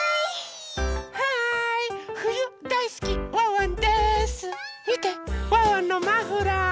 ワンワンのマフラー。